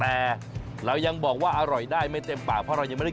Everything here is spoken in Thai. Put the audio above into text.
แต่เรายังบอกว่าอร่อยได้ไม่เต็มปากเพราะเรายังไม่ได้กิน